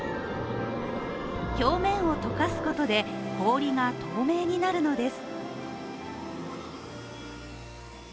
表面をとかすことで氷が透明になるのです。